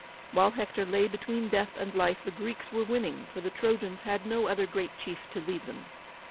While Hector lay between death and life the Greeks were winning, for the Trojans had no other great chief to lead them.